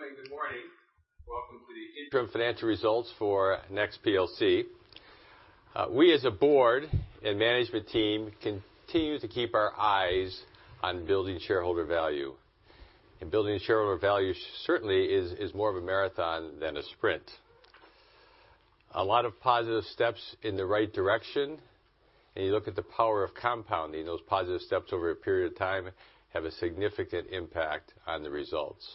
Welcome and good morning. Welcome to the interim financial results for Next PLC. We, as a board and management team, continue to keep our eyes on building shareholder value, and building shareholder value certainly is more of a marathon than a sprint. A lot of positive steps in the right direction, and you look at the power of compounding, those positive steps over a period of time have a significant impact on the results.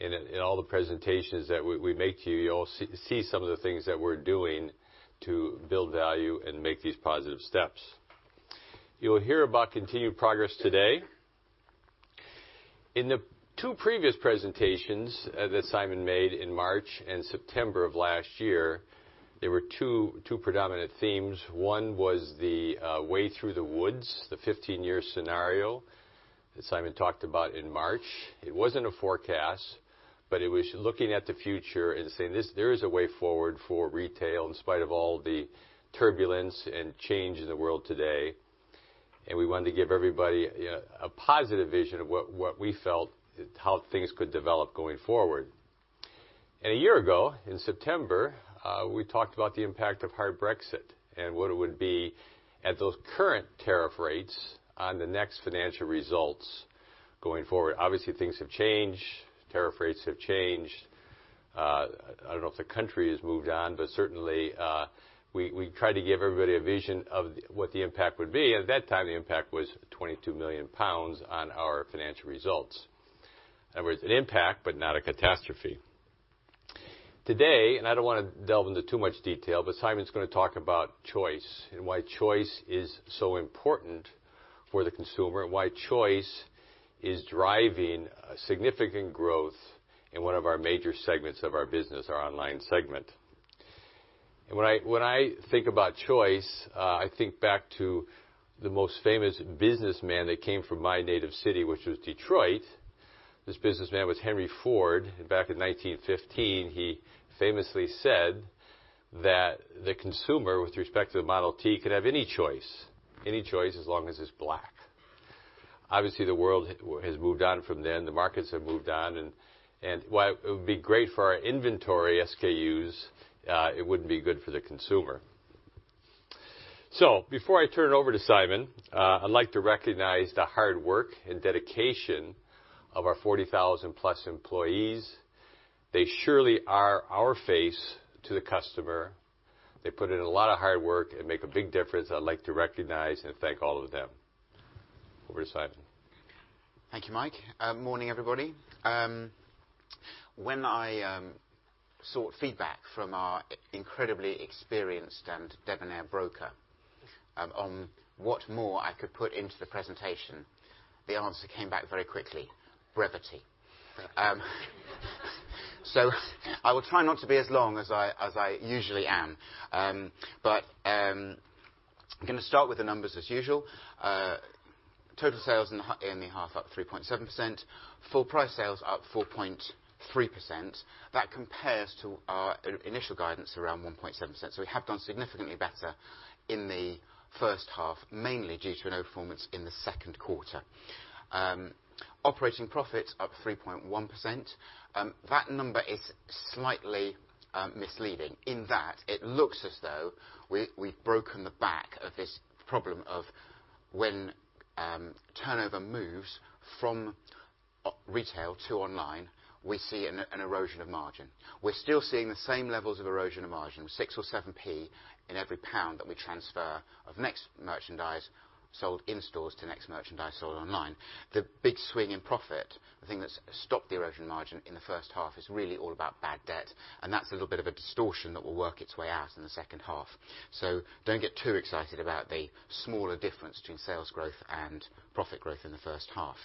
In all the presentations that we make to you, you'll see some of the things that we're doing to build value and make these positive steps. You'll hear about continued progress today. In the two previous presentations that Simon made in March and September of last year, there were two predominant themes. One was the way through the woods, the 15-year scenario that Simon talked about in March. It wasn't a forecast, but it was looking at the future and saying, "There is a way forward for retail in spite of all the turbulence and change in the world today." And we wanted to give everybody a positive vision of what we felt, how things could develop going forward. And a year ago, in September, we talked about the impact of hard Brexit and what it would be at those current tariff rates on the next financial results going forward. Obviously, things have changed. Tariff rates have changed. I don't know if the country has moved on, but certainly we tried to give everybody a vision of what the impact would be. At that time, the impact was 22 million pounds on our financial results. In other words, an impact, but not a catastrophe. Today, and I don't want to delve into too much detail, but Simon's going to talk about choice and why choice is so important for the consumer and why choice is driving significant growth in one of our major segments of our business, our online segment. And when I think about choice, I think back to the most famous businessman that came from my native city, which was Detroit. This businessman was Henry Ford. Back in 1915, he famously said that the consumer, with respect to the Model T, could have any choice, any choice as long as it's black. Obviously, the world has moved on from then. The markets have moved on. And while it would be great for our inventory SKUs, it wouldn't be good for the consumer. So before I turn it over to Simon, I'd like to recognize the hard work and dedication of our 40,000-plus employees. They surely are our face to the customer. They put in a lot of hard work and make a big difference. I'd like to recognize and thank all of them. Over to Simon. Thank you, Mike. Morning, everybody. When I sought feedback from our incredibly experienced and debonair broker on what more I could put into the presentation, the answer came back very quickly, brevity. So I will try not to be as long as I usually am. But I'm going to start with the numbers as usual. Total sales in the half are up 3.7%. Full-price sales are up 4.3%. That compares to our initial guidance around 1.7%. So we have done significantly better in the first half, mainly due to an overperformance in the second quarter. Operating profits are up 3.1%. That number is slightly misleading in that it looks as though we've broken the back of this problem of when turnover moves from retail to online, we see an erosion of margin. We're still seeing the same levels of erosion of margin, 6 or 7p in every pound that we transfer of Next merchandise sold in stores to Next merchandise sold online. The big swing in profit, the thing that's stopped the erosion of margin in the first half, is really all about bad debt. And that's a little bit of a distortion that will work its way out in the second half. So don't get too excited about the smaller difference between sales growth and profit growth in the first half.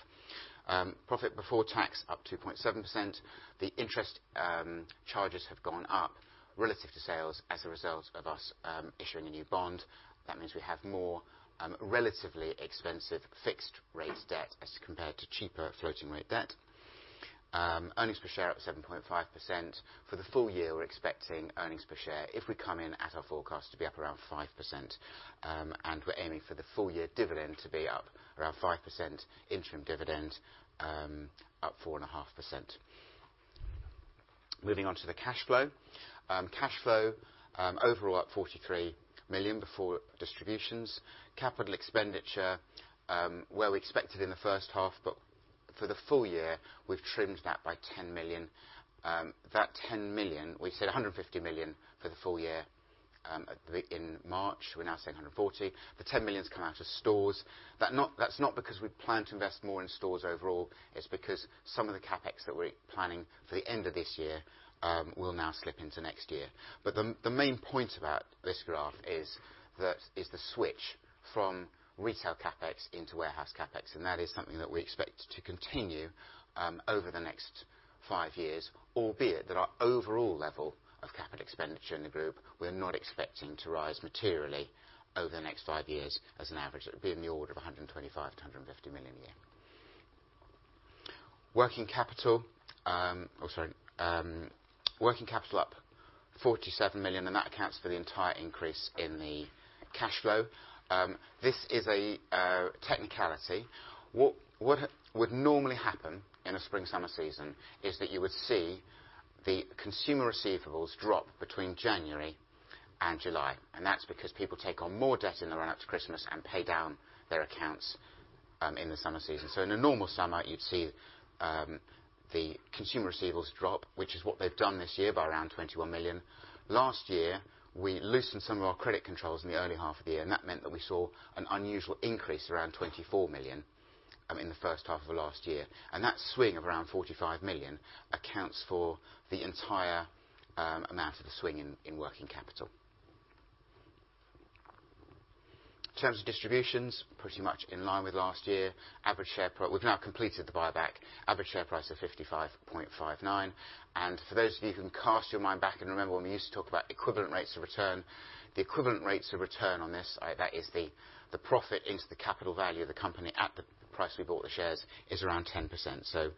Profit before tax is up 2.7%. The interest charges have gone up relative to sales as a result of us issuing a new bond. That means we have more relatively expensive fixed-rate debt as compared to cheaper floating-rate debt. Earnings per share is up 7.5%. For the full year, we're expecting earnings per share, if we come in at our forecast, to be up around 5%. And we're aiming for the full-year dividend to be up around 5%. Interim dividend is up 4.5%. Moving on to the cash flow. Cash flow is overall up 43 million before distributions. Capital expenditure is where we expected in the first half, but for the full year, we've trimmed that by 10 million. That 10 million, we said 150 million for the full year in March. We're now saying 140 million. The 10 million has come out of stores. That's not because we plan to invest more in stores overall. It's because some of the CapEx that we're planning for the end of this year will now slip into next year. But the main point about this graph is the switch from retail CapEx into warehouse CapEx. That is something that we expect to continue over the next five years, albeit that our overall level of capital expenditure in the group. We're not expecting to rise materially over the next five years as an average. It would be in the order of 125 million-150 million a year. Working capital is up 47 million, and that accounts for the entire increase in the cash flow. This is a technicality. What would normally happen in a spring-summer season is that you would see the consumer receivables drop between January and July. That's because people take on more debt in the run-up to Christmas and pay down their accounts in the summer season. In a normal summer, you'd see the consumer receivables drop, which is what they've done this year by around 21 million. Last year, we loosened some of our credit controls in the early half of the year, and that meant that we saw an unusual increase around 24 million in the first half of last year. And that swing of around 45 million accounts for the entire amount of the swing in working capital. In terms of distributions, pretty much in line with last year, average share price. We've now completed the buyback. Average share price is 55.59. And for those of you who can cast your mind back and remember when we used to talk about equivalent rates of return, the equivalent rates of return on this, that is the profit into the capital value of the company at the price we bought the shares, is around 10%. So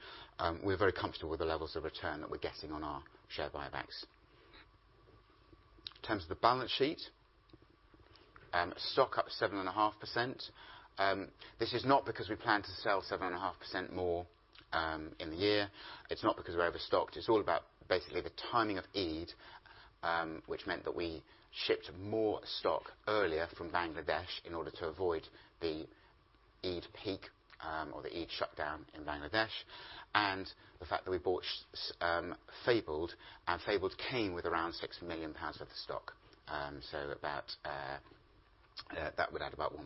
we're very comfortable with the levels of return that we're getting on our share buybacks. In terms of the balance sheet, stock is up 7.5%. This is not because we plan to sell 7.5% more in the year. It's not because we're overstacked. It's all about basically the timing of Eid, which meant that we shipped more stock earlier from Bangladesh in order to avoid the Eid peak or the Eid shutdown in Bangladesh. And the fact that we bought Fabled, and Fabled came with around 6 million pounds worth of stock. So that would add about 1%.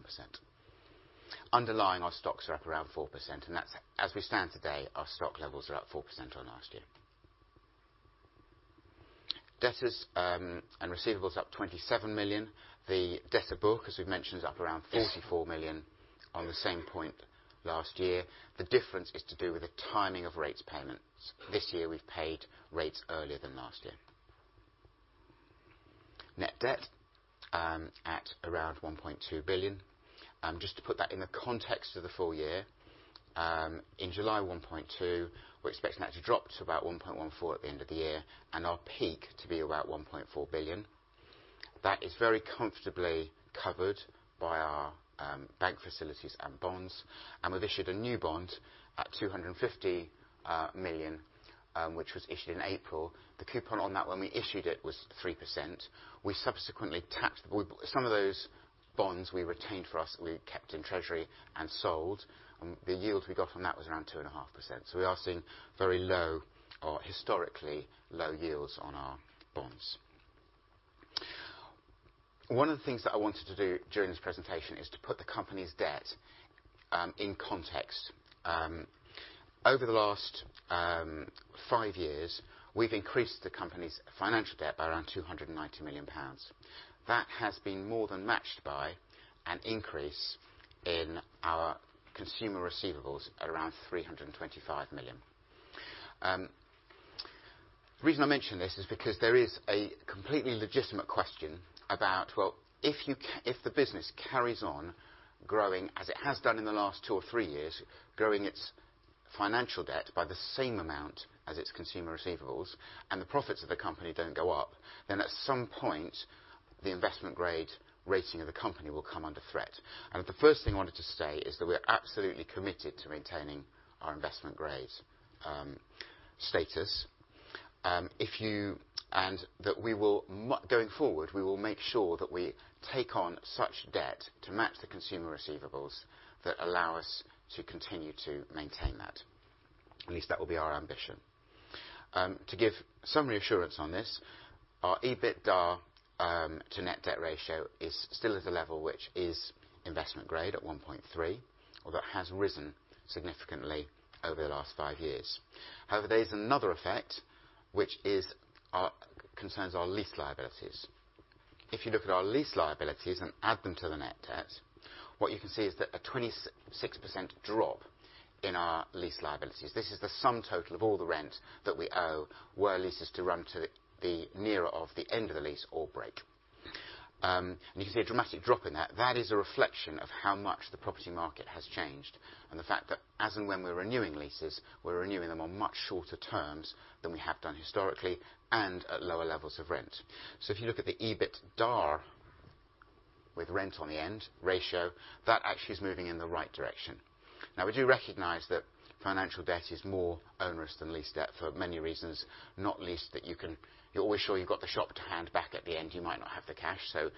Underlying our stocks are up around 4%. And as we stand today, our stock levels are up 4% on last year. Debtors and receivables are up 27 million. The debtor book, as we've mentioned, is up around 44 million on the same point last year. The difference is to do with the timing of rates payments. This year, we've paid rates earlier than last year. Net debt is at around 1.2 billion. Just to put that in the context of the full year, in July, 1.2, we're expecting that to drop to about 1.14 billion at the end of the year and our peak to be about 1.4 billion. That is very comfortably covered by our bank facilities and bonds. And we've issued a new bond at 250 million, which was issued in April. The coupon on that when we issued it was 3%. We subsequently tapped some of those bonds we retained for us, we kept in treasury and sold. The yield we got from that was around 2.5%. So we are seeing very low or historically low yields on our bonds. One of the things that I wanted to do during this presentation is to put the company's debt in context. Over the last five years, we've increased the company's financial debt by around 290 million pounds. That has been more than matched by an increase in our consumer receivables at around 325 million. The reason I mention this is because there is a completely legitimate question about, well, if the business carries on growing as it has done in the last two or three years, growing its financial debt by the same amount as its consumer receivables and the profits of the company don't go up, then at some point, the investment-grade rating of the company will come under threat. And the first thing I wanted to say is that we are absolutely committed to maintaining our investment-grade status. And that going forward, we will make sure that we take on such debt to match the consumer receivables that allow us to continue to maintain that. At least that will be our ambition. To give some reassurance on this, our EBITDA to net debt ratio is still at a level which is investment-grade at 1.3, although it has risen significantly over the last five years. However, there is another effect which concerns our lease liabilities. If you look at our lease liabilities and add them to the net debt, what you can see is a 26% drop in our lease liabilities. This is the sum total of all the rent that we owe where leases do run to the nearer of the end of the lease or break, and you can see a dramatic drop in that. That is a reflection of how much the property market has changed and the fact that as and when we're renewing leases, we're renewing them on much shorter terms than we have done historically and at lower levels of rent. So if you look at the EBITDA with rent on the end ratio, that actually is moving in the right direction. Now, we do recognize that financial debt is more onerous than lease debt for many reasons. Not least that you're always sure you've got the shop to hand back at the end. You might not have the cash. So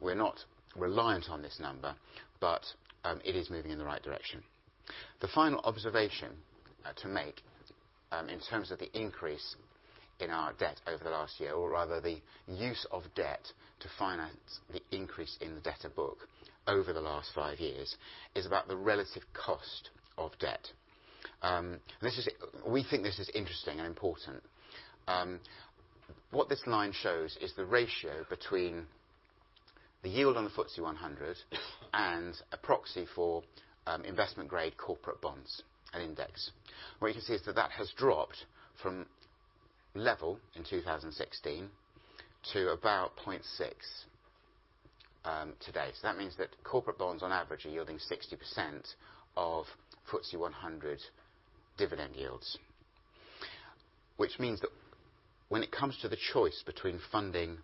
we're not reliant on this number, but it is moving in the right direction. The final observation to make in terms of the increase in our debt over the last year, or rather the use of debt to finance the increase in the debtor book over the last five years, is about the relative cost of debt. We think this is interesting and important. What this line shows is the ratio between the yield on the FTSE 100 and a proxy for investment-grade corporate bonds and index. What you can see is that that has dropped from level in 2016 to about 0.6 today. So that means that corporate bonds on average are yielding 60% of FTSE 100 dividend yields, which means that when it comes to the choice between funding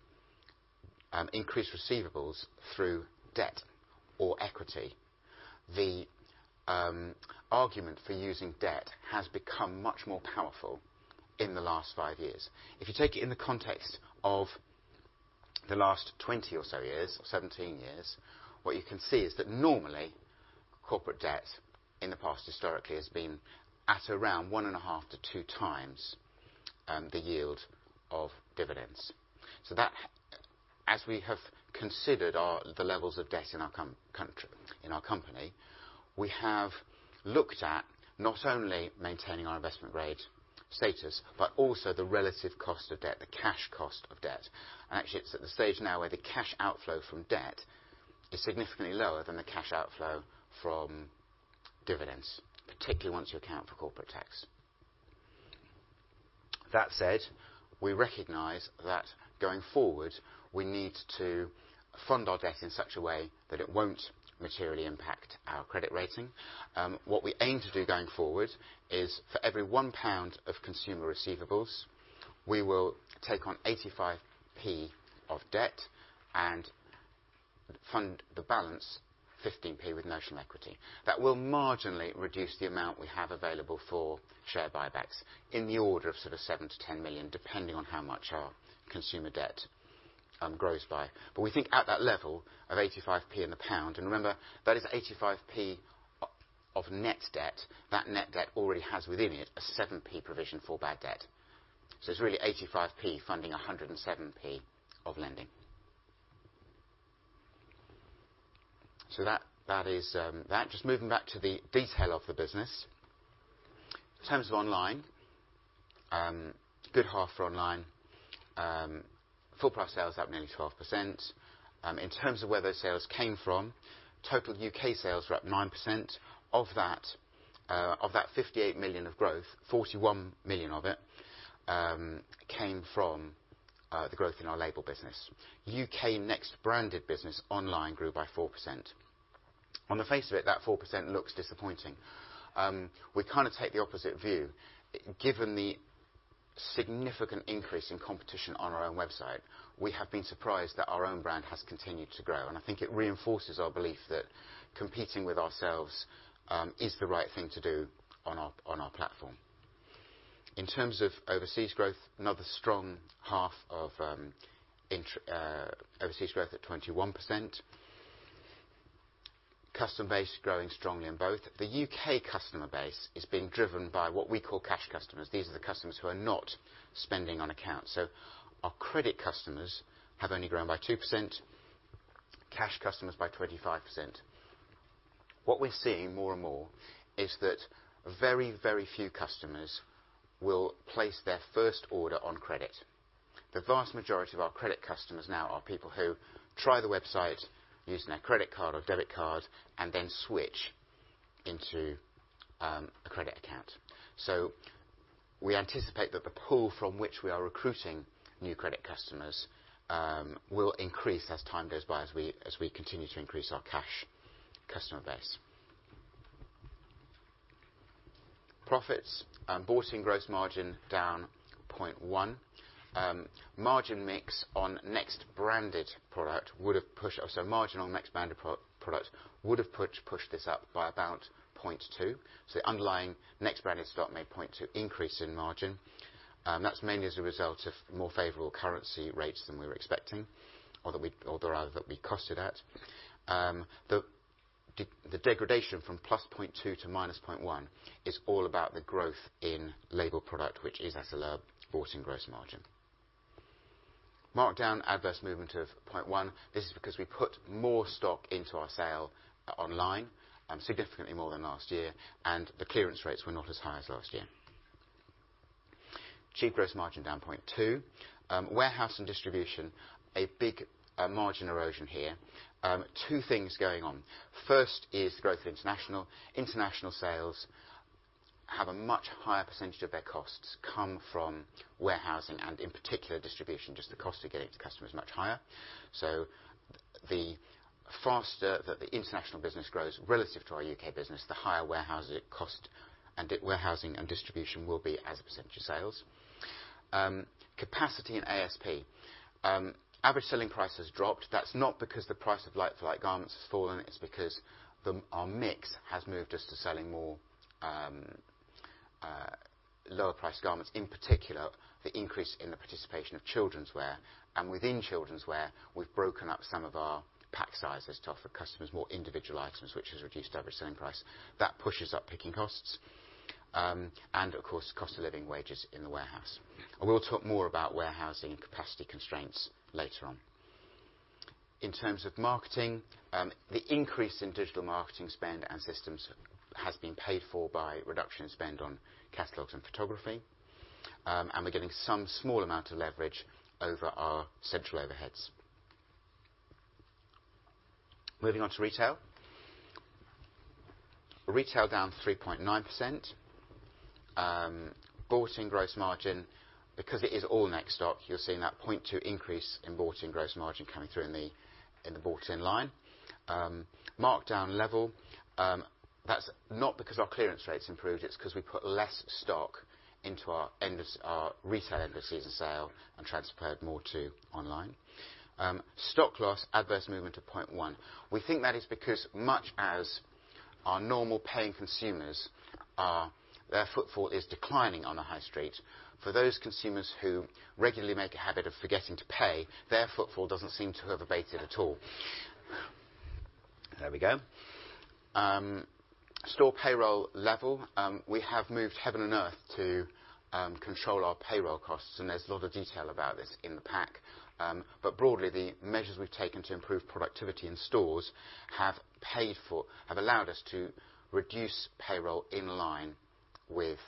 increased receivables through debt or equity, the argument for using debt has become much more powerful in the last five years. If you take it in the context of the last 20 or so years, 17 years, what you can see is that normally corporate debt in the past historically has been at around one and a half to two times the yield of dividends. So as we have considered the levels of debt in our company, we have looked at not only maintaining our investment-grade status but also the relative cost of debt, the cash cost of debt. And actually, it's at the stage now where the cash outflow from debt is significantly lower than the cash outflow from dividends, particularly once you account for corporate tax. That said, we recognize that going forward, we need to fund our debt in such a way that it won't materially impact our credit rating. What we aim to do going forward is for every 1 pound of consumer receivables, we will take on 0.85 of debt and fund the balance, 0.15 with notional equity. That will marginally reduce the amount we have available for share buybacks in the order of sort of 7-10 million, depending on how much our consumer debt grows by. But we think at that level of 0.85 in the pound, and remember, that is 0.85 of net debt. That net debt already has within it a 7p provision for bad debt. So it's really 0.85 funding 1.07 of lending. So that is that. Just moving back to the detail of the business. In terms of online, good half for online, full-price sales are up nearly 12%. In terms of where those sales came from, total UK sales were up 9%. Of that 58 million of growth, 41 million of it came from the growth in our label business. UK Next branded business online grew by 4%. On the face of it, that 4% looks disappointing. We kind of take the opposite view. Given the significant increase in competition on our own website, we have been surprised that our own brand has continued to grow. And I think it reinforces our belief that competing with ourselves is the right thing to do on our platform. In terms of overseas growth, another strong half of overseas growth at 21%. Customer base is growing strongly in both. The UK customer base is being driven by what we call cash customers. These are the customers who are not spending on accounts. So our credit customers have only grown by 2%, cash customers by 25%. What we're seeing more and more is that very, very few customers will place their first order on credit. The vast majority of our credit customers now are people who try the website using their credit card or debit card and then switch into a credit account. So we anticipate that the pool from which we are recruiting new credit customers will increase as time goes by as we continue to increase our cash customer base. Profits, Bought-in Gross Margin down 0.1%. Margin mix on Next branded product would have pushed our margin on Next branded product up by about 0.2%. So the underlying Next branded stock made 0.2% increase in margin. That's mainly as a result of more favorable currency rates than we were expecting, or rather that we costed at. The degradation from +0.2% to -0.1% is all about the growth in label product, which is at a low bought-in gross margin. Markdown adverse movement of 0.1%. This is because we put more stock into our sale online, significantly more than last year, and the clearance rates were not as high as last year. Cheap gross margin down 0.2%. Warehouse and distribution, a big margin erosion here. Two things going on. First is growth of international. International sales have a much higher percentage of their costs come from warehousing and, in particular, distribution. Just the cost of getting to customers is much higher. So the faster that the international business grows relative to our UK business, the higher warehousing and distribution will be as a percentage of sales. Capacity and ASP. Average selling price has dropped. That's not because the price of like-for-like garments has fallen. It's because our mix has moved us to selling more lower-priced garments, in particular the increase in the participation of children's wear, and within children's wear, we've broken up some of our pack sizes to offer customers more individual items, which has reduced average selling price. That pushes up picking costs and, of course, cost of living wages in the warehouse. We will talk more about warehousing and capacity constraints later on. In terms of marketing, the increase in digital marketing spend and systems has been paid for by reduction in spend on catalogs and photography, and we're getting some small amount of leverage over our central overheads. Moving on to retail. Retail down 3.9%. Bought-in gross margin. Because it is all Next stock, you're seeing that 0.2 increase in bought-in gross margin coming through in the bought-in line. Markdown level. That's not because our clearance rates improved. It's because we put less stock into our retail end of season sale and transferred more to online. Stock loss, adverse movement of 0.1. We think that is because, much as our normal paying consumers, their footfall is declining on the high street. For those consumers who regularly make a habit of forgetting to pay, their footfall doesn't seem to have abated at all. There we go. Store payroll level. We have moved heaven and earth to control our payroll costs, and there's a lot of detail about this in the pack, but broadly, the measures we've taken to improve productivity in stores have allowed us to reduce payroll in line with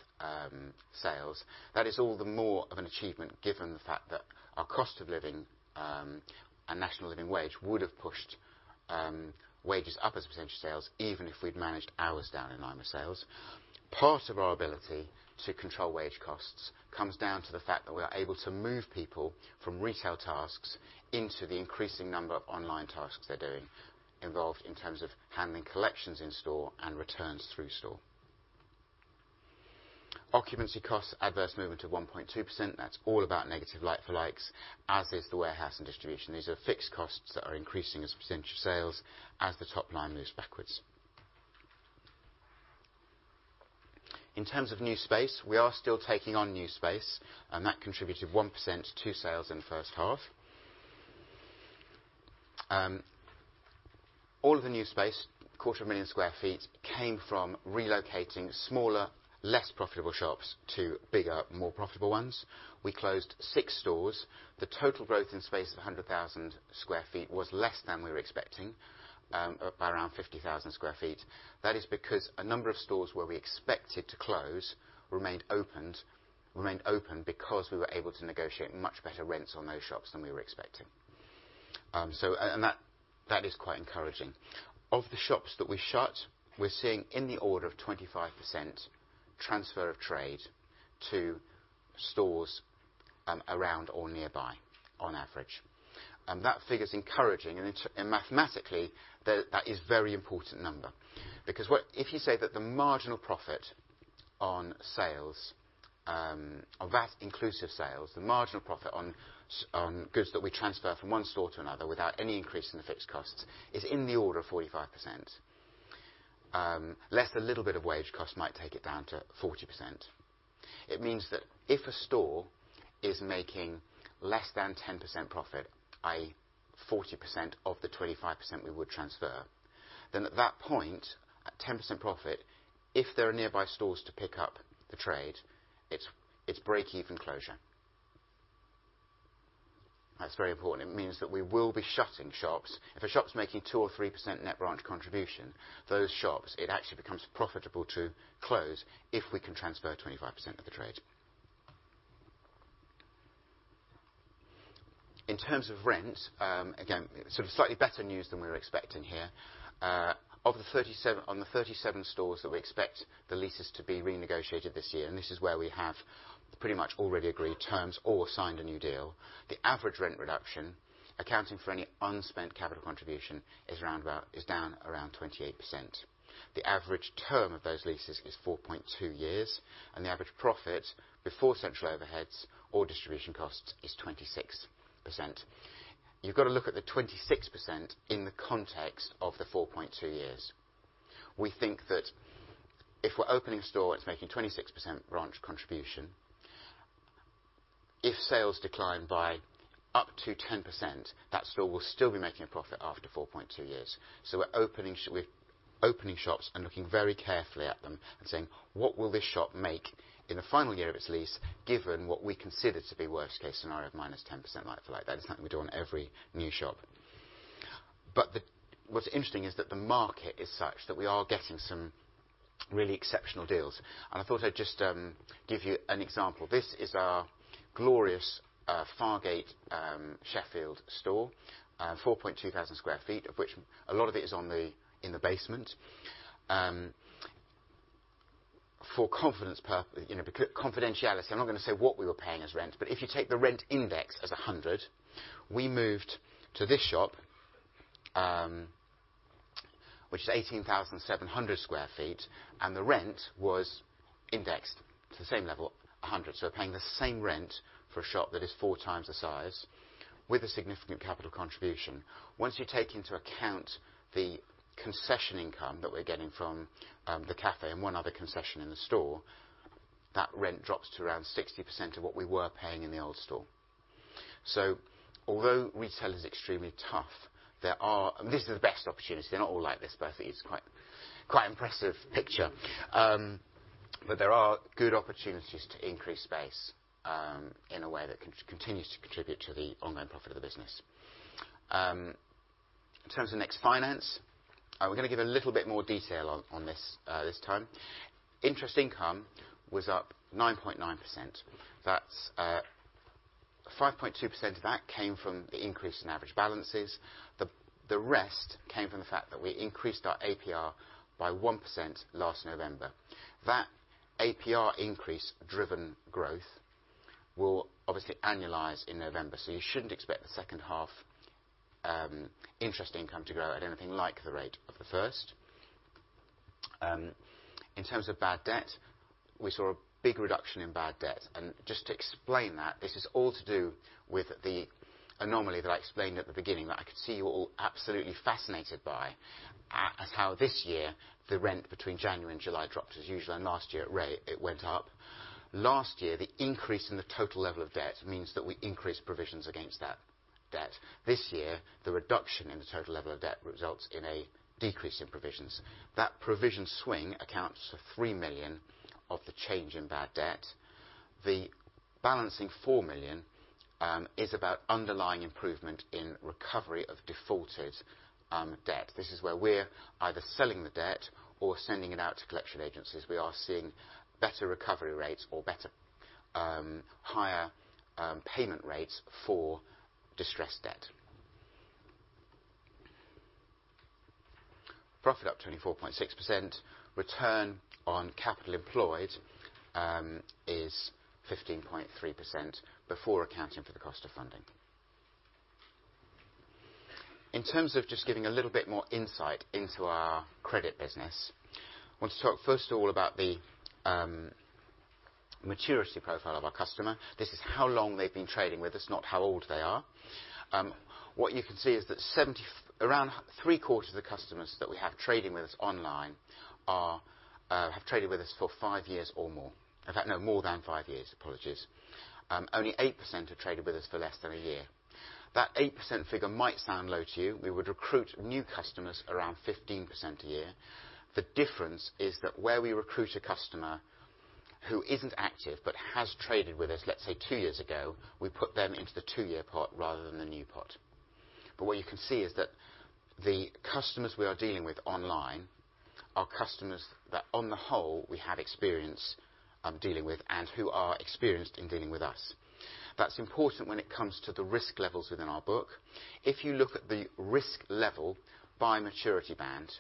sales. That is all the more of an achievement given the fact that our cost of living and national living wage would have pushed wages up as a percentage of sales, even if we'd managed hours down in line with sales. Part of our ability to control wage costs comes down to the fact that we are able to move people from retail tasks into the increasing number of online tasks they're doing, involved in terms of handling collections in store and returns through store. Occupancy costs, adverse movement of 1.2%. That's all about negative like-for-likes, as is the warehouse and distribution. These are fixed costs that are increasing as a percentage of sales as the top line moves backwards. In terms of new space, we are still taking on new space, and that contributed 1% to sales in the first half. All of the new space, 250,000 sq ft, came from relocating smaller, less profitable shops to bigger, more profitable ones. We closed six stores. The total growth in space of 100,000 sq ft was less than we were expecting, by around 50,000 sq ft. That is because a number of stores where we expected to close remained open because we were able to negotiate much better rents on those shops than we were expecting, and that is quite encouraging. Of the shops that we shut, we're seeing in the order of 25% transfer of trade to stores around or nearby, on average, and that figure's encouraging, and mathematically, that is a very important number. Because if you say that the marginal profit on sales, on VAT-inclusive sales, the marginal profit on goods that we transfer from one store to another without any increase in the fixed costs is in the order of 45%. Less a little bit of wage cost might take it down to 40%. It means that if a store is making less than 10% profit, i.e., 40% of the 25% we would transfer, then at that point, at 10% profit, if there are nearby stores to pick up the trade, it's break-even closure. That's very important. It means that we will be shutting shops. If a shop's making two or three% net branch contribution, those shops, it actually becomes profitable to close if we can transfer 25% of the trade. In terms of rent, again, sort of slightly better news than we were expecting here. On the 37 stores that we expect the leases to be renegotiated this year, and this is where we have pretty much already agreed terms or signed a new deal, the average rent reduction, accounting for any unspent capital contribution, is down around 28%. The average term of those leases is 4.2 years, and the average profit before central overheads or distribution costs is 26%. You've got to look at the 26% in the context of the 4.2 years. We think that if we're opening a store and it's making 26% branch contribution, if sales decline by up to 10%, that store will still be making a profit after 4.2 years. So we're opening shops and looking very carefully at them and saying, "What will this shop make in the final year of its lease, given what we consider to be worst-case scenario of minus 10% like-for-like?" That is something we do on every new shop. But what's interesting is that the market is such that we are getting some really exceptional deals. And I thought I'd just give you an example. This is our glorious Fargate Sheffield store, 4.2 thousand sq ft, of which a lot of it is in the basement. For confidentiality, I'm not going to say what we were paying as rent, but if you take the rent index as 100, we moved to this shop, which is 18,700 sq ft, and the rent was indexed to the same level, 100. So we're paying the same rent for a shop that is four times the size with a significant capital contribution. Once you take into account the concession income that we're getting from the café and one other concession in the store, that rent drops to around 60% of what we were paying in the old store. So although retail is extremely tough, there are, and this is the best opportunity. They're not all like this, but I think it's quite an impressive picture. But there are good opportunities to increase space in a way that continues to contribute to the online profit of the business. In terms of Next Finance, we're going to give a little bit more detail on this time. Interest income was up 9.9%. That's 5.2% of that came from the increase in average balances. The rest came from the fact that we increased our APR by 1% last November. That APR increase-driven growth will obviously annualize in November. So you shouldn't expect the second half interest income to grow at anything like the rate of the first. In terms of bad debt, we saw a big reduction in bad debt. And just to explain that, this is all to do with the anomaly that I explained at the beginning that I could see you all absolutely fascinated by, as to how this year the debt between January and July dropped as usual, and last year it went up. Last year, the increase in the total level of debt means that we increased provisions against that debt. This year, the reduction in the total level of debt results in a decrease in provisions. That provision swing accounts for £3 million of the change in bad debt. The balancing 4 million is about underlying improvement in recovery of defaulted debt. This is where we're either selling the debt or sending it out to collection agencies. We are seeing better recovery rates or higher payment rates for distressed debt. Profit up 24.6%. Return on capital employed is 15.3% before accounting for the cost of funding. In terms of just giving a little bit more insight into our credit business, I want to talk first of all about the maturity profile of our customer. This is how long they've been trading with us, not how old they are. What you can see is that around three-quarters of the customers that we have trading with us online have traded with us for five years or more. In fact, no, more than five years. Apologies. Only 8% have traded with us for less than a year. That 8% figure might sound low to you. We would recruit new customers around 15% a year. The difference is that where we recruit a customer who isn't active but has traded with us, let's say two years ago, we put them into the two-year pot rather than the new pot. But what you can see is that the customers we are dealing with online are customers that, on the whole, we have experience dealing with and who are experienced in dealing with us. That's important when it comes to the risk levels within our book. If you look at the risk level by maturity band,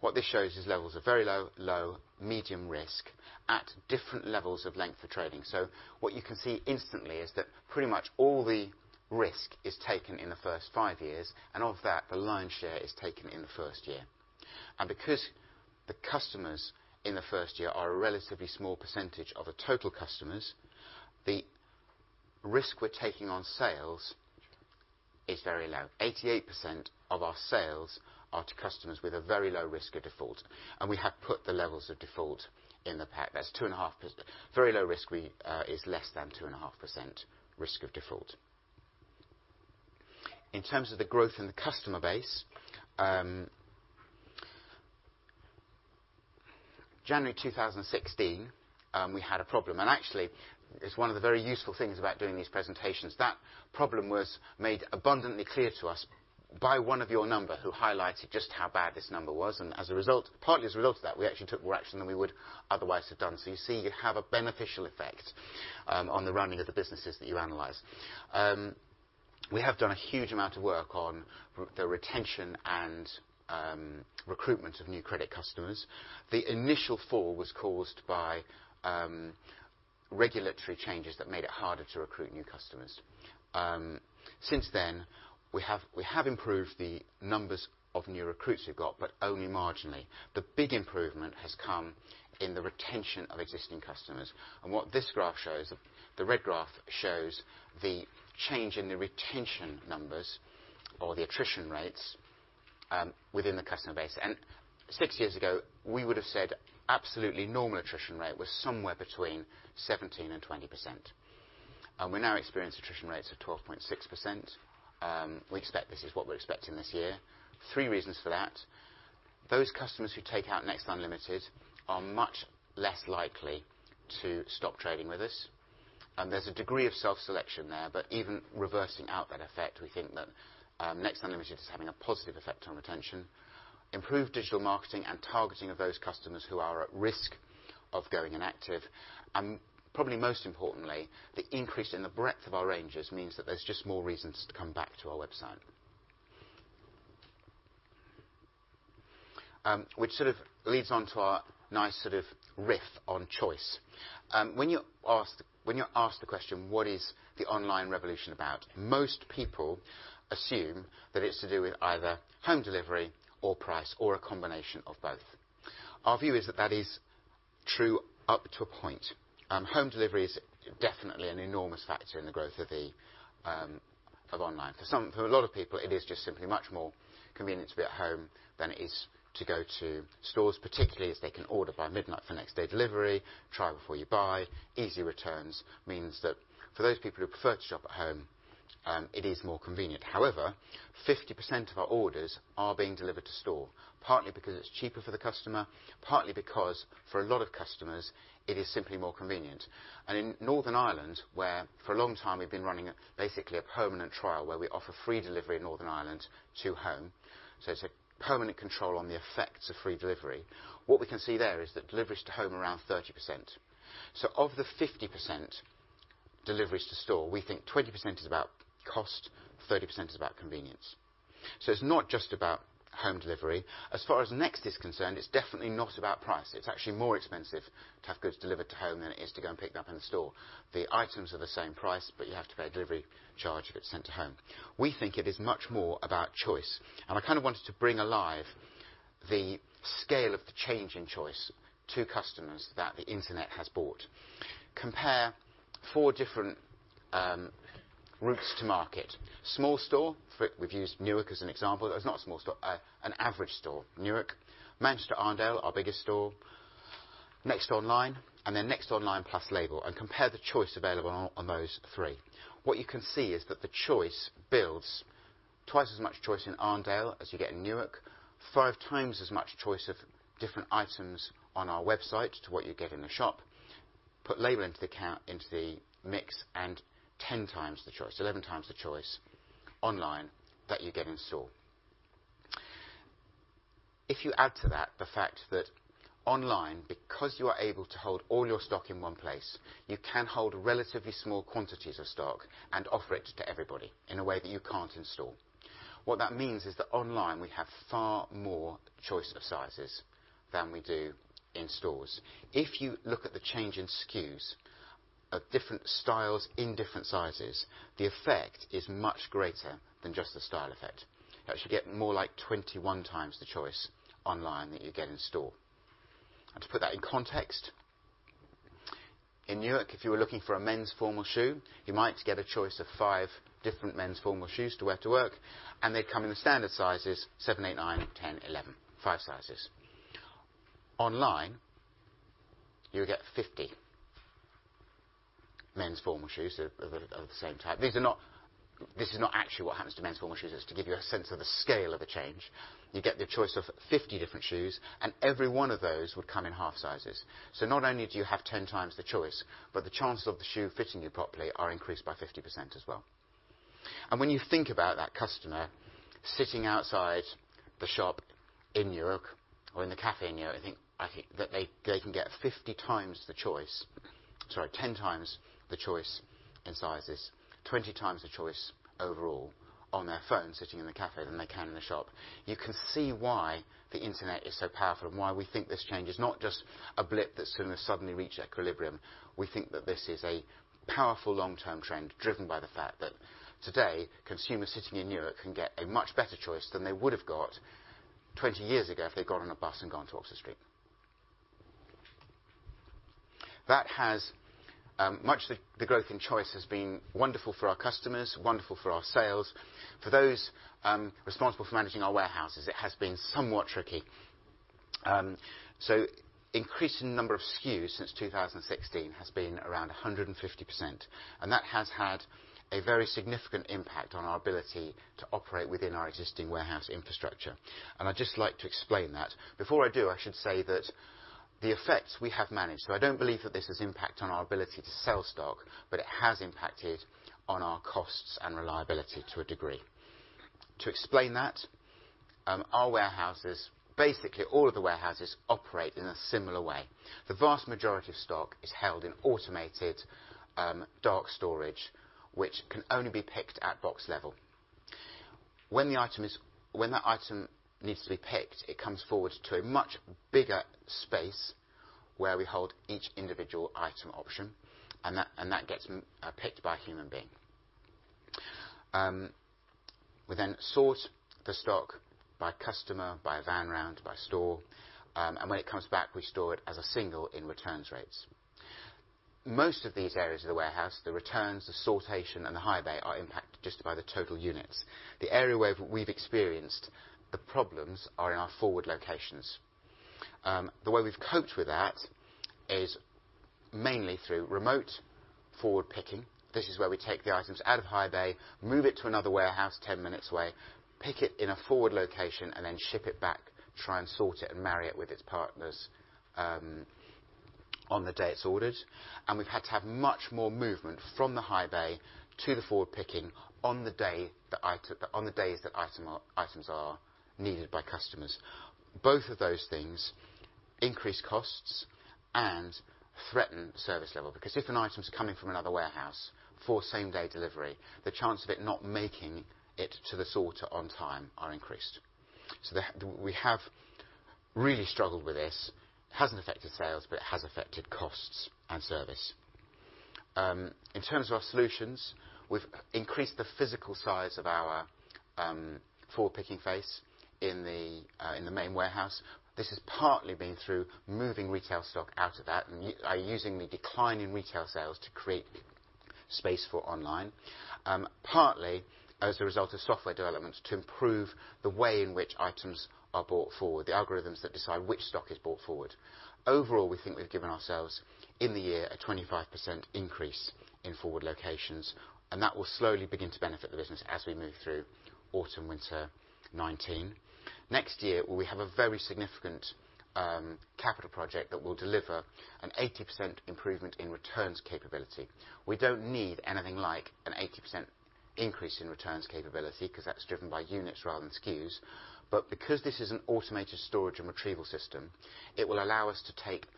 what this shows is levels of very low, low, medium risk at different levels of length of trading. So what you can see instantly is that pretty much all the risk is taken in the first five years, and of that, the loan share is taken in the first year. And because the customers in the first year are a relatively small percentage of the total customers, the risk we're taking on sales is very low. 88% of our sales are to customers with a very low risk of default. And we have put the levels of default in the pack. That's 2.5%. Very low risk is less than 2.5% risk of default. In terms of the growth in the customer base, January 2016, we had a problem. And actually, it's one of the very useful things about doing these presentations. That problem was made abundantly clear to us by one of your number who highlighted just how bad this number was, and as a result, partly as a result of that, we actually took more action than we would otherwise have done, so you see you have a beneficial effect on the running of the businesses that you analyze. We have done a huge amount of work on the retention and recruitment of new credit customers. The initial fall was caused by regulatory changes that made it harder to recruit new customers. Since then, we have improved the numbers of new recruits we've got, but only marginally. The big improvement has come in the retention of existing customers, and what this graph shows, the red graph shows the change in the retention numbers or the attrition rates within the customer base. Six years ago, we would have said absolutely normal attrition rate was somewhere between 17% and 20%. We now experience attrition rates of 12.6%. We expect this is what we're expecting this year. Three reasons for that. Those customers who take out Next Unlimited are much less likely to stop trading with us. There's a degree of self-selection there. But even reversing out that effect, we think that Next Unlimited is having a positive effect on retention, improved digital marketing, and targeting of those customers who are at risk of going inactive. Probably most importantly, the increase in the breadth of our ranges means that there's just more reasons to come back to our website, which sort of leads on to our nice sort of riff on choice. When you're asked the question, "What is the online revolution about?" most people assume that it's to do with either home delivery or price or a combination of both. Our view is that that is true up to a point. Home delivery is definitely an enormous factor in the growth of online. For a lot of people, it is just simply much more convenient to be at home than it is to go to stores, particularly as they can order by midnight for next-day delivery, try before you buy. Easy returns means that for those people who prefer to shop at home, it is more convenient. However, 50% of our orders are being delivered to store, partly because it's cheaper for the customer, partly because for a lot of customers, it is simply more convenient. And in Northern Ireland, where for a long time we've been running basically a permanent trial where we offer free delivery in Northern Ireland to home, so it's a permanent control on the effects of free delivery, what we can see there is that deliveries to home are around 30%. So of the 50% deliveries to store, we think 20% is about cost, 30% is about convenience. So it's not just about home delivery. As far as Next is concerned, it's definitely not about price. It's actually more expensive to have goods delivered to home than it is to go and pick them up in the store. The items are the same price, but you have to pay a delivery charge if it's sent to home. We think it is much more about choice. And I kind of wanted to bring alive the scale of the change in choice to customers that the internet has brought. Compare four different routes to market. Small store, we've used Newark as an example. It's not a small store, an average store, Newark, Manchester Arndale, our biggest store, Next Online, and then Next Online plus Label. And compare the choice available on those three. What you can see is that the choice builds twice as much choice in Arndale as you get in Newark, five times as much choice of different items on our website to what you get in the shop, put labor into the mix and 10 times the choice, 11 times the choice online that you get in store. If you add to that the fact that online, because you are able to hold all your stock in one place, you can hold relatively small quantities of stock and offer it to everybody in a way that you can't in store. What that means is that online we have far more choice of sizes than we do in stores. If you look at the change in SKUs of different styles in different sizes, the effect is much greater than just the style effect. Actually, you get more like 21 times the choice online that you get in store. And to put that in context, in Newark, if you were looking for a men's formal shoe, you might get a choice of five different men's formal shoes to wear to work, and they'd come in the standard sizes, 7, 8, 9, 10, 11, five sizes. Online you would get 50 men's formal shoes of the same type. This is not actually what happens to men's formal shoes. It's to give you a sense of the scale of the change. You get the choice of 50 different shoes, and every one of those would come in half sizes. So not only do you have 10 times the choice, but the chances of the shoe fitting you properly are increased by 50% as well. And when you think about that customer sitting outside the shop in Newark or in the café in Newark, I think that they can get 50 times the choice, sorry, 10 times the choice in sizes, 20 times the choice overall on their phone sitting in the café than they can in the shop. You can see why the internet is so powerful and why we think this change is not just a blip that's going to suddenly reach equilibrium. We think that this is a powerful long-term trend driven by the fact that today consumers sitting in Newark can get a much better choice than they would have got 20 years ago if they'd got on a bus and gone to Oxford Street. That much of the growth in choice has been wonderful for our customers, wonderful for our sales. For those responsible for managing our warehouses, it has been somewhat tricky. So increasing number of SKUs since 2016 has been around 150%, and that has had a very significant impact on our ability to operate within our existing warehouse infrastructure, and I'd just like to explain that. Before I do, I should say that the effects we have managed, so I don't believe that this has impact on our ability to sell stock, but it has impacted on our costs and reliability to a degree. To explain that, our warehouses, basically all of the warehouses, operate in a similar way. The vast majority of stock is held in automated dark storage, which can only be picked at box level. When that item needs to be picked, it comes forward to a much bigger space where we hold each individual item option, and that gets picked by a human being. We then sort the stock by customer, by van round, by store, and when it comes back, we store it as a single in returns rates. Most of these areas of the warehouse, the returns, the sortation, and the highbay are impacted just by the total units. The area where we've experienced the problems are in our forward locations. The way we've coped with that is mainly through remote forward picking. This is where we take the items out of Highbay, move it to another warehouse 10 minutes away, pick it in a forward location, and then ship it back, try and sort it, and marry it with its partners on the day it's ordered. And we've had to have much more movement from the Highbay to the forward picking on the days that items are needed by customers. Both of those things increase costs and threaten service level because if an item's coming from another warehouse for same-day delivery, the chance of it not making it to the sorter on time are increased. So we have really struggled with this. It hasn't affected sales, but it has affected costs and service. In terms of our solutions, we've increased the physical size of our forward picking face in the main warehouse. This has partly been through moving retail stock out of that and using the decline in retail sales to create space for online, partly as a result of software developments to improve the way in which items are brought forward, the algorithms that decide which stock is brought forward. Overall, we think we've given ourselves in the year a 25% increase in forward locations, and that will slowly begin to benefit the business as we move through autumn/winter 2019. Next year, we have a very significant capital project that will deliver an 80% improvement in returns capability. We don't need anything like an 80% increase in returns capability because that's driven by units rather than SKUs. But because this is an automated storage and retrieval system, it will allow us to take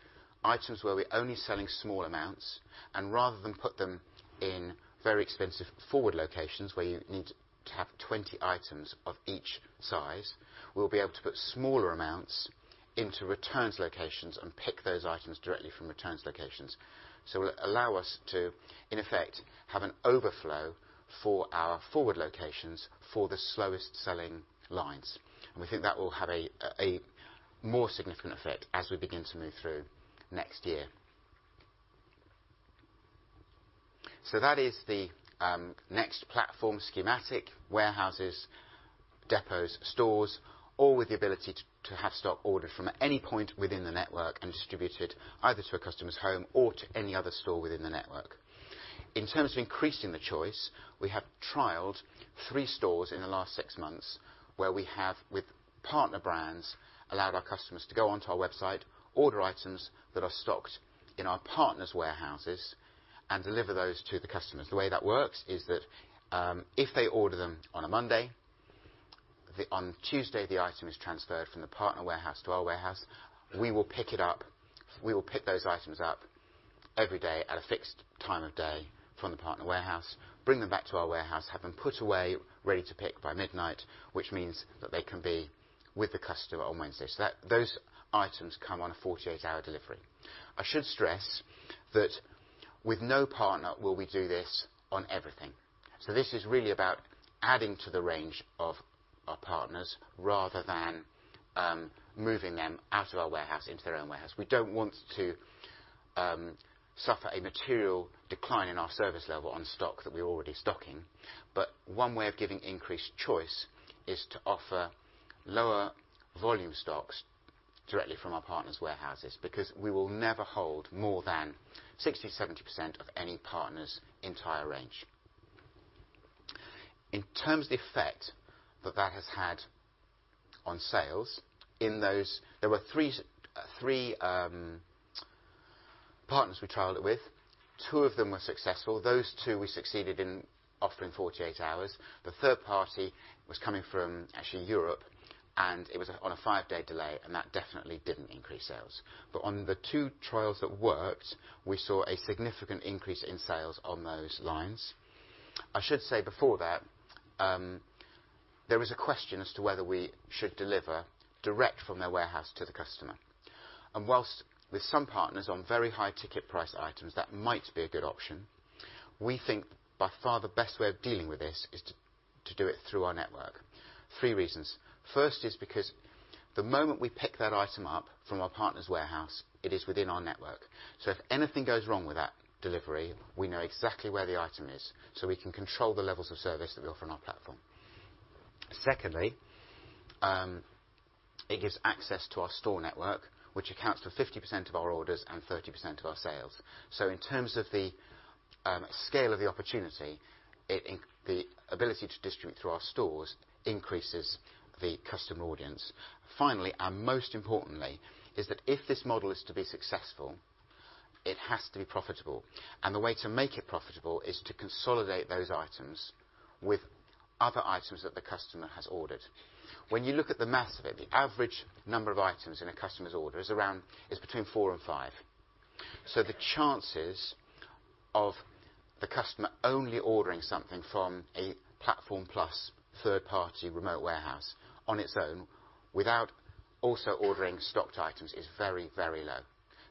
items where we're only selling small amounts and rather than put them in very expensive forward locations where you need to have 20 items of each size, we'll be able to put smaller amounts into returns locations and pick those items directly from returns locations. So it will allow us to, in effect, have an overflow for our forward locations for the slowest selling lines. And we think that will have a more significant effect as we begin to move through next year. So that is the Next Platform schematic: warehouses, depots, stores, all with the ability to have stock ordered from any point within the network and distributed either to a customer's home or to any other store within the network. In terms of increasing the choice, we have trialed three stores in the last six months where we have, with partner brands, allowed our customers to go onto our website, order items that are stocked in our partner's warehouses, and deliver those to the customers. The way that works is that if they order them on a Monday, on Tuesday, the item is transferred from the partner warehouse to our warehouse. We will pick it up. We will pick those items up every day at a fixed time of day from the partner warehouse, bring them back to our warehouse, have them put away, ready to pick by midnight, which means that they can be with the customer on Wednesday. So those items come on a 48-hour delivery. I should stress that with no partner will we do this on everything. This is really about adding to the range of our partners rather than moving them out of our warehouse into their own warehouse. We don't want to suffer a material decline in our service level on stock that we're already stocking. But one way of giving increased choice is to offer lower volume stocks directly from our partner's warehouses because we will never hold more than 60%-70% of any partner's entire range. In terms of the effect that that has had on sales, there were three partners we trialed it with. Two of them were successful. Those two we succeeded in offering 48 hours. The third party was coming from, actually, Europe, and it was on a five-day delay, and that definitely didn't increase sales. But on the two trials that worked, we saw a significant increase in sales on those lines. I should say before that there was a question as to whether we should deliver direct from their warehouse to the customer, and whilst with some partners on very high ticket price items that might be a good option, we think by far the best way of dealing with this is to do it through our network. Three reasons. First is because the moment we pick that item up from our partner's warehouse, it is within our network. So if anything goes wrong with that delivery, we know exactly where the item is so we can control the levels of service that we offer on our platform. Secondly, it gives access to our store network, which accounts for 50% of our orders and 30% of our sales. So in terms of the scale of the opportunity, the ability to distribute through our stores increases the customer audience. Finally, and most importantly, is that if this model is to be successful, it has to be profitable. And the way to make it profitable is to consolidate those items with other items that the customer has ordered. When you look at the mass of it, the average number of items in a customer's order is between four and five. So the chances of the customer only ordering something from a Platform Plus third-party remote warehouse on its own without also ordering stocked items is very, very low.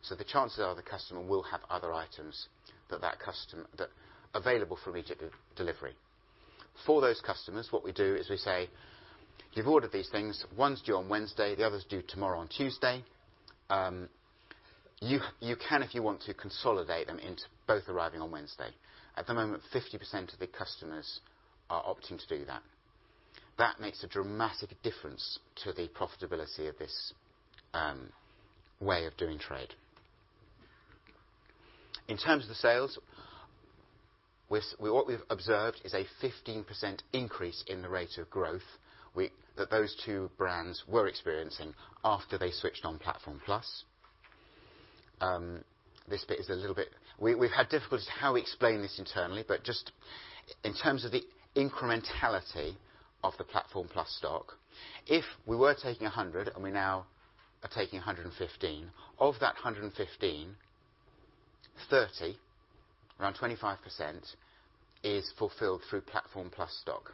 So the chances are the customer will have other items that are available for immediate delivery. For those customers, what we do is we say, "You've ordered these things. One's due on Wednesday. The other's due tomorrow on Tuesday. You can, if you want to, consolidate them into both arriving on Wednesday." At the moment, 50% of the customers are opting to do that. That makes a dramatic difference to the profitability of this way of doing trade. In terms of the sales, what we've observed is a 15% increase in the rate of growth that those two brands were experiencing after they switched on Platform Plus. This bit is a little bit we've had difficulty how we explain this internally, but just in terms of the incrementality of the Platform Plus stock, if we were taking 100 and we now are taking 115, of that 115, 30, around 25%, is fulfilled through Platform Plus stock,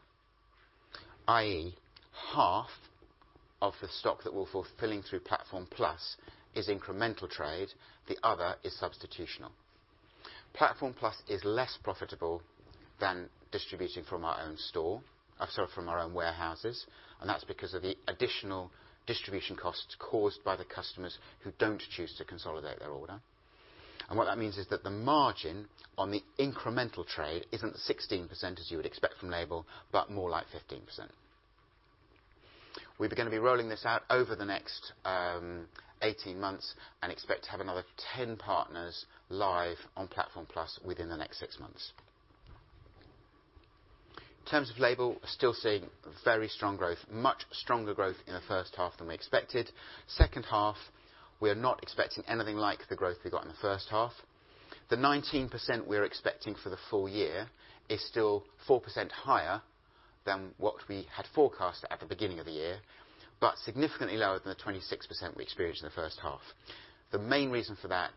i.e., half of the stock that we're fulfilling through Platform Plus is incremental trade. The other is substitutional. Platform Plus is less profitable than distributing from our own store from our own warehouses, and that's because of the additional distribution costs caused by the customers who don't choose to consolidate their order. And what that means is that the margin on the incremental trade isn't 16% as you would expect from Label, but more like 15%. We're going to be rolling this out over the next 18 months and expect to have another 10 partners live on Platform Plus within the next six months. In terms of Label, we're still seeing very strong growth, much stronger growth in the first half than we expected. Second half, we are not expecting anything like the growth we got in the first half. The 19% we're expecting for the full year is still 4% higher than what we had forecast at the beginning of the year, but significantly lower than the 26% we experienced in the first half. The main reason for that,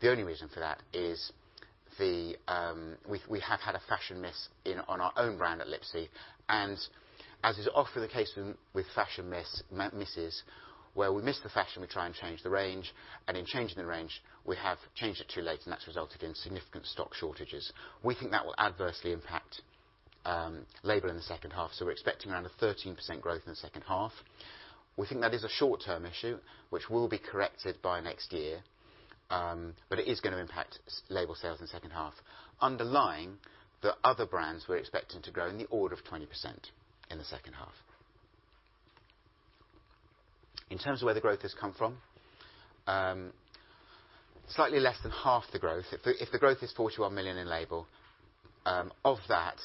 the only reason for that, is we have had a fashion miss on our own brand at Lipsy. And as is often the case with fashion misses, where we miss the fashion, we try and change the range, and in changing the range, we have changed it too late, and that's resulted in significant stock shortages. We think that will adversely impact Label in the second half, so we're expecting around a 13% growth in the second half. We think that is a short-term issue, which will be corrected by next year, but it is going to impact Label sales in the second half, underlying the other brands we're expecting to grow in the order of 20% in the second half. In terms of where the growth has come from, slightly less than half the growth. If the growth is £41 million in Label, of that,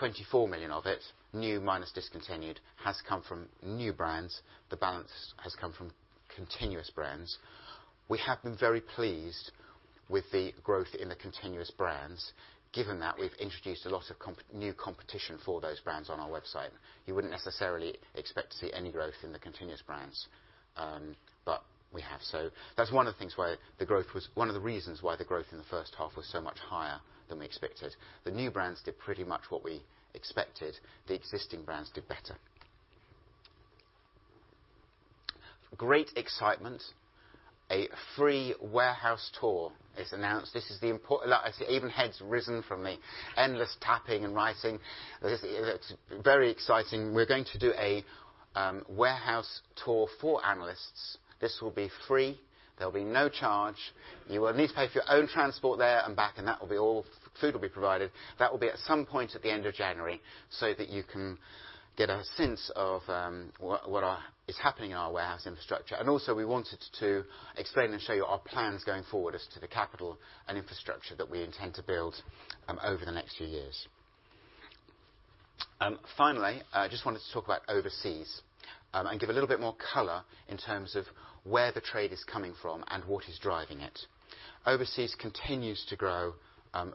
£24 million of it, new minus discontinued, has come from new brands. The balance has come from continuous brands. We have been very pleased with the growth in the continuous brands, given that we've introduced a lot of new competition for those brands on our website. You wouldn't necessarily expect to see any growth in the continuous brands, but we have. That's one of the things why the growth was one of the reasons why the growth in the first half was so much higher than we expected. The new brands did pretty much what we expected. The existing brands did better. Great excitement. A free warehouse tour is announced. This is the event that's arisen from the endless tapping and writing. It's very exciting. We're going to do a warehouse tour for analysts. This will be free. There'll be no charge. You will need to pay for your own transport there and back, and all food will be provided. That will be at some point at the end of January so that you can get a sense of what is happening in our warehouse infrastructure. And also, we wanted to explain and show you our plans going forward as to the capital and infrastructure that we intend to build over the next few years. Finally, I just wanted to talk about overseas and give a little bit more color in terms of where the trade is coming from and what is driving it. Overseas continues to grow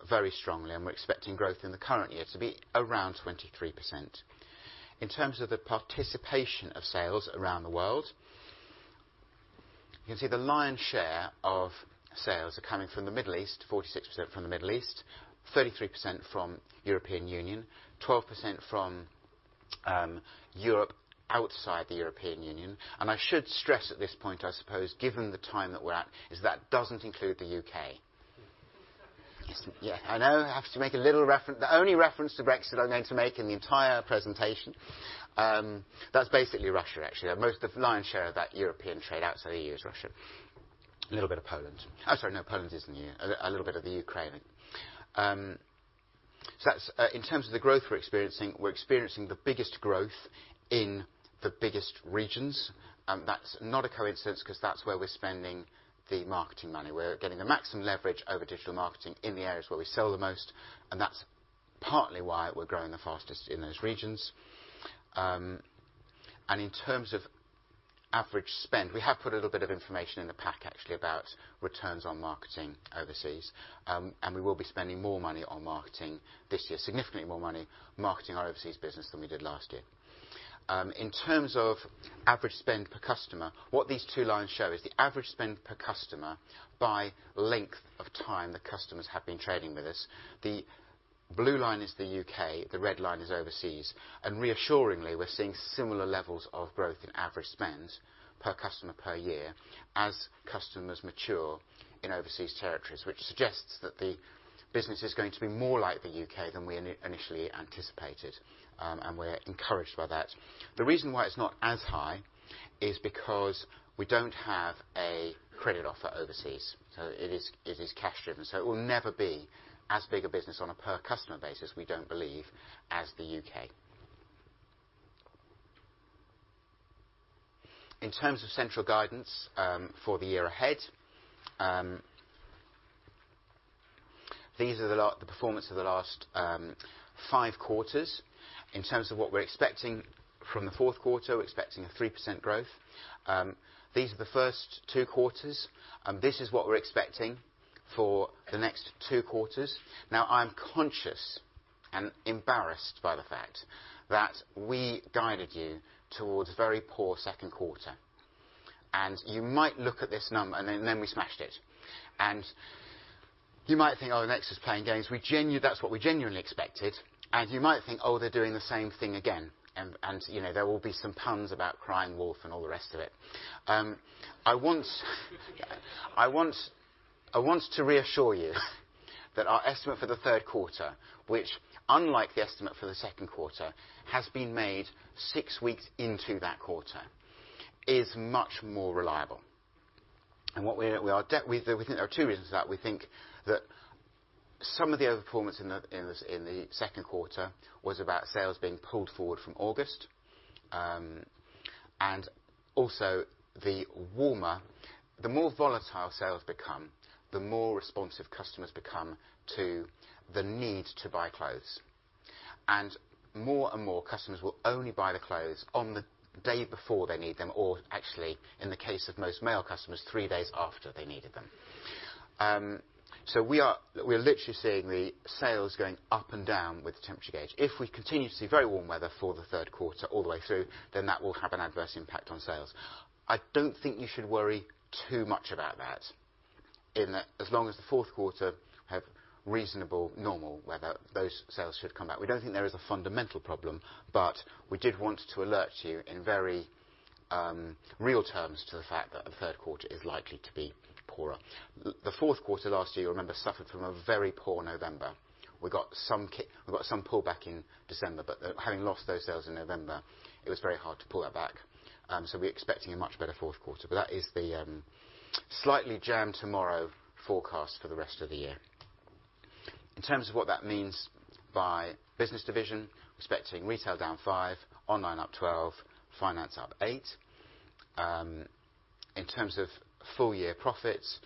very strongly, and we're expecting growth in the current year to be around 23%. In terms of the participation of sales around the world, you can see the lion's share of sales are coming from the Middle East, 46% from the Middle East, 33% from the European Union, 12% from Europe outside the European Union. And I should stress at this point, I suppose, given the time that we're at, is that doesn't include the U.K. Yeah. I know I have to make a little reference. The only reference to Brexit I'm going to make in the entire presentation, that's basically Russia, actually. Most of the lion's share of that European trade outside the EU is Russia. A little bit of Poland. Oh, sorry. No, Poland isn't in the EU. A little bit of the Ukraine. So in terms of the growth we're experiencing, we're experiencing the biggest growth in the biggest regions. That's not a coincidence because that's where we're spending the marketing money. We're getting the maximum leverage over digital marketing in the areas where we sell the most, and that's partly why we're growing the fastest in those regions. In terms of average spend, we have put a little bit of information in the pack, actually, about returns on marketing overseas, and we will be spending more money on marketing this year, significantly more money marketing our overseas business than we did last year. In terms of average spend per customer, what these two lines show is the average spend per customer by length of time the customers have been trading with us. The blue line is the UK. The red line is overseas. Reassuringly, we're seeing similar levels of growth in average spend per customer per year as customers mature in overseas territories, which suggests that the business is going to be more like the UK than we initially anticipated, and we're encouraged by that. The reason why it's not as high is because we don't have a credit offer overseas. It is cash-driven. So it will never be as big a business on a per-customer basis, we don't believe, as the UK. In terms of central guidance for the year ahead, these are the performance of the last five quarters. In terms of what we're expecting from the fourth quarter, we're expecting a 3% growth. These are the first two quarters. This is what we're expecting for the next two quarters. Now, I'm conscious and embarrassed by the fact that we guided you towards a very poor second quarter. And you might look at this number, and then we smashed it. And you might think, "Oh, Next is playing games." That's what we genuinely expected. And you might think, "Oh, they're doing the same thing again." And there will be some puns about crying wolf and all the rest of it. I want to reassure you that our estimate for the third quarter, which, unlike the estimate for the second quarter, has been made six weeks into that quarter, is much more reliable, and we think there are two reasons for that. We think that some of the overperformance in the second quarter was about sales being pulled forward from August, and also, the more volatile sales become, the more responsive customers become to the need to buy clothes, and more and more customers will only buy the clothes on the day before they need them or, actually, in the case of most male customers, three days after they needed them, so we are literally seeing the sales going up and down with the temperature gauge. If we continue to see very warm weather for the third quarter all the way through, then that will have an adverse impact on sales. I don't think you should worry too much about that, in that as long as the fourth quarter have reasonable, normal weather, those sales should come back. We don't think there is a fundamental problem, but we did want to alert you in very real terms to the fact that the third quarter is likely to be poorer. The fourth quarter last year, you remember, suffered from a very poor November. We got some pullback in December, but having lost those sales in November, it was very hard to pull that back, so we're expecting a much better fourth quarter, but that is the slightly jam tomorrow forecast for the rest of the year. In terms of what that means by business division, we're expecting retail down 5%, online up 12%, finance up 8%. In terms of full-year profits,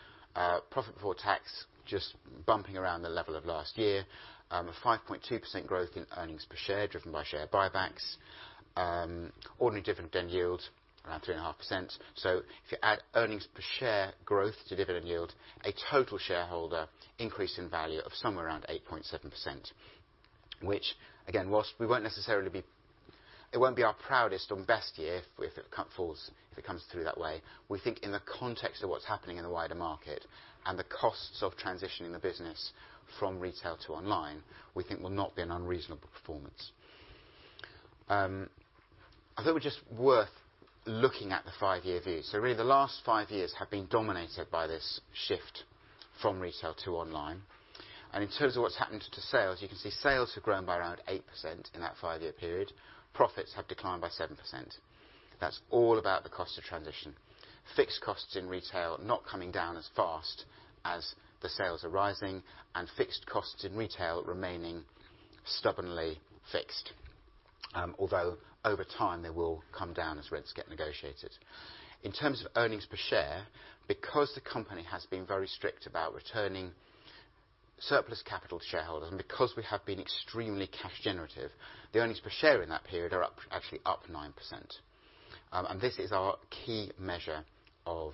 profit before tax just bumping around the level of last year, a 5.2% growth in earnings per share driven by share buybacks, ordinary dividend yield around 3.5%. So if you add earnings per share growth to dividend yield, a total shareholder increase in value of somewhere around 8.7%, which, again, while we won't necessarily be, it won't be our proudest or best year if it comes through that way. We think in the context of what's happening in the wider market and the costs of transitioning the business from retail to online, we think will not be an unreasonable performance. I thought it was just worth looking at the five-year view. So really, the last five years have been dominated by this shift from retail to online. In terms of what's happened to sales, you can see sales have grown by around 8% in that five-year period. Profits have declined by 7%. That's all about the cost of transition. Fixed costs in retail not coming down as fast as the sales are rising, and fixed costs in retail remaining stubbornly fixed, although over time they will come down as rents get negotiated. In terms of earnings per share, because the company has been very strict about returning surplus capital to shareholders and because we have been extremely cash-generative, the earnings per share in that period are actually up 9%. This is our key measure of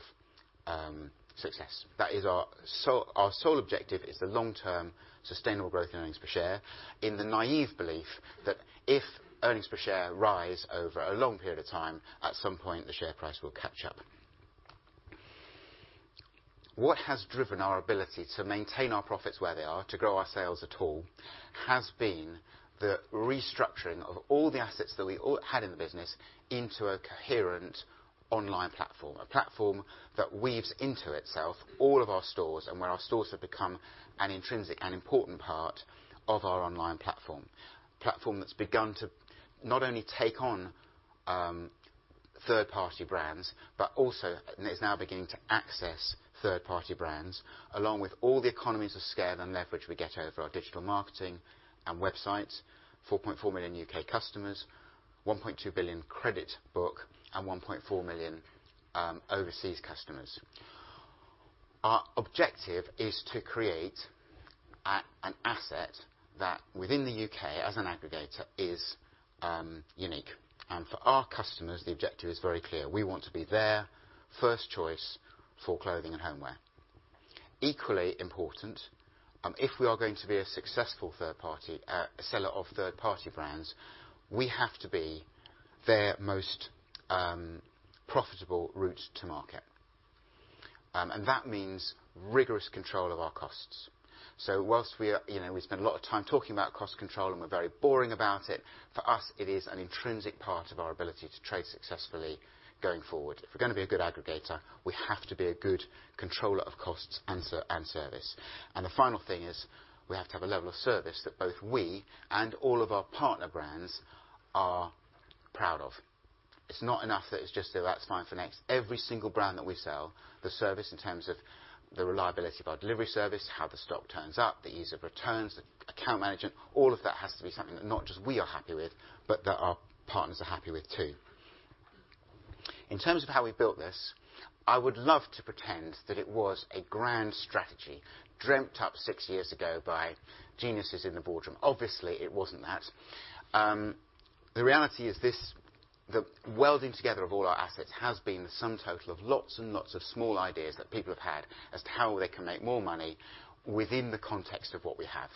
success. Our sole objective is the long-term sustainable growth in earnings per share in the naive belief that if earnings per share rise over a long period of time, at some point, the share price will catch up. What has driven our ability to maintain our profits where they are, to grow our sales at all, has been the restructuring of all the assets that we had in the business into a coherent online platform, a platform that weaves into itself all of our stores and where our stores have become an intrinsic and important part of our online platform, a platform that's begun to not only take on third-party brands, but also is now beginning to access third-party brands, along with all the economies of scale and leverage we get over our digital marketing and website, 4.4 million UK customers, 1.2 billion credit book, and 1.4 million overseas customers. Our objective is to create an asset that, within the UK as an aggregator, is unique, and for our customers, the objective is very clear. We want to be their first choice for clothing and homeware. Equally important, if we are going to be a successful third-party, a seller of third-party brands, we have to be their most profitable route to market. And that means rigorous control of our costs. So whilst we spend a lot of time talking about cost control and we're very boring about it, for us, it is an intrinsic part of our ability to trade successfully going forward. If we're going to be a good aggregator, we have to be a good controller of costs and service. And the final thing is we have to have a level of service that both we and all of our partner brands are proud of. It's not enough that it's just, "Oh, that's fine for Next." Every single brand that we sell, the service in terms of the reliability of our delivery service, how the stock turns up, the ease of returns, the account management, all of that has to be something that not just we are happy with, but that our partners are happy with too. In terms of how we built this, I would love to pretend that it was a grand strategy dreamt up six years ago by geniuses in the boardroom. Obviously, it wasn't that. The reality is the welding together of all our assets has been the sum total of lots and lots of small ideas that people have had as to how they can make more money within the context of what we have.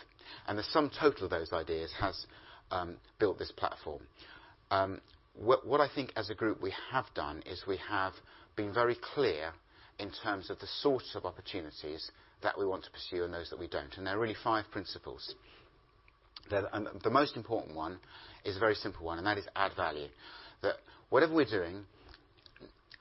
And the sum total of those ideas has built this platform. What I think, as a group, we have done is we have been very clear in terms of the sorts of opportunities that we want to pursue and those that we don't, and there are really five principles. The most important one is a very simple one, and that is add value. That whatever we're doing,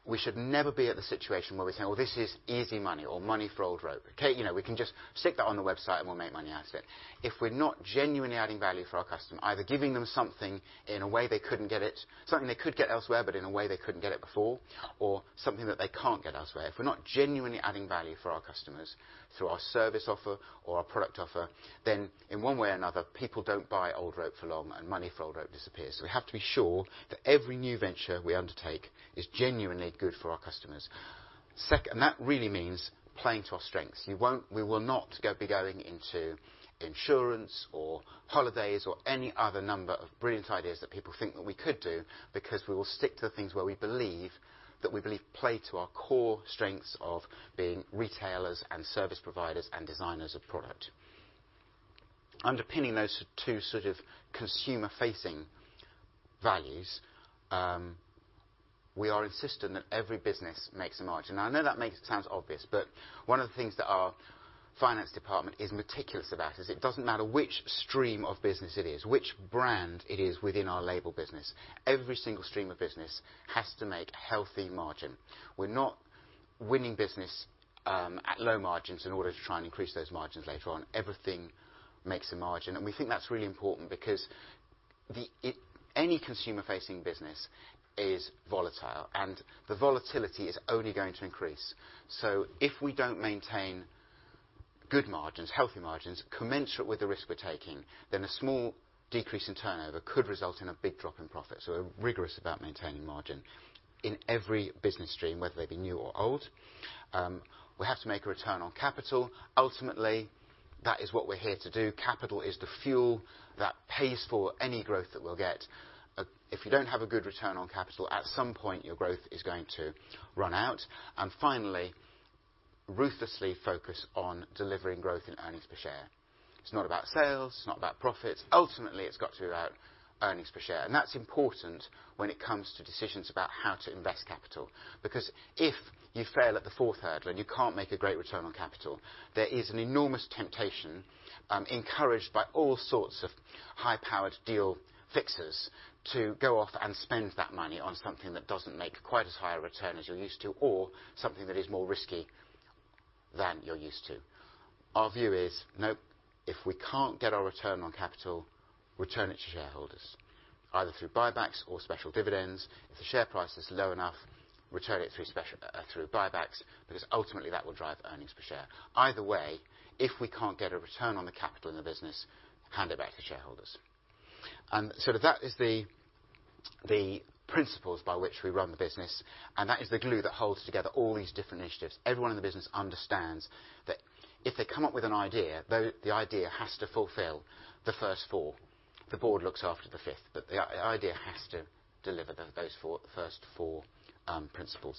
we should never be at the situation where we say, "Well, this is easy money or money for old rope." We can just stick that on the website and we'll make money out of it. If we're not genuinely adding value for our customer, either giving them something in a way they couldn't get it, something they could get elsewhere, but in a way they couldn't get it before, or something that they can't get elsewhere. If we're not genuinely adding value for our customers through our service offer or our product offer, then in one way or another, people don't buy old rope for long and money for old rope disappears. We have to be sure that every new venture we undertake is genuinely good for our customers. That really means playing to our strengths. We will not be going into insurance or holidays or any other number of brilliant ideas that people think that we could do because we will stick to the things where we believe that we believe play to our core strengths of being retailers and service providers and designers of product. Underpinning those two sort of consumer-facing values, we are insistent that every business makes a margin. Now, I know that sounds obvious, but one of the things that our finance department is meticulous about is it doesn't matter which stream of business it is, which brand it is within our Label business. Every single stream of business has to make a healthy margin. We're not winning business at low margins in order to try and increase those margins later on. Everything makes a margin. And we think that's really important because any consumer-facing business is volatile, and the volatility is only going to increase. So if we don't maintain good margins, healthy margins, commensurate with the risk we're taking, then a small decrease in turnover could result in a big drop in profits. So we're rigorous about maintaining margin in every business stream, whether they be new or old. We have to make a return on capital. Ultimately, that is what we're here to do. Capital is the fuel that pays for any growth that we'll get. If you don't have a good return on capital, at some point, your growth is going to run out. And finally, ruthlessly focus on delivering growth in earnings per share. It's not about sales. It's not about profits. Ultimately, it's got to be about earnings per share. And that's important when it comes to decisions about how to invest capital. Because if you fail at the fourth hurdle and you can't make a great return on capital, there is an enormous temptation encouraged by all sorts of high-powered deal fixers to go off and spend that money on something that doesn't make quite as high a return as you're used to or something that is more risky than you're used to. Our view is, "Nope. If we can't get our return on capital, return it to shareholders, either through buybacks or special dividends. If the share price is low enough, return it through buybacks because ultimately, that will drive earnings per share. Either way, if we can't get a return on the capital in the business, hand it back to shareholders." And so that is the principles by which we run the business, and that is the glue that holds together all these different initiatives. Everyone in the business understands that if they come up with an idea, the idea has to fulfill the first four. The board looks after the fifth, but the idea has to deliver those first four principles.